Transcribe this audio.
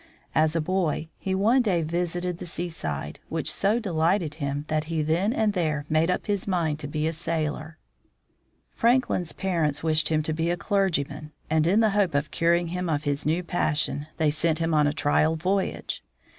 As a boy, he one day visited the seaside, which so de lighted him that he then and there made up his mind to be a sailor. Franklin's parents wished him to become a clergyman, and in the hope of curing him of his new passion, they sent him on a trial voyage.